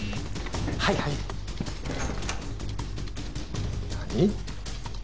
はいはい何！？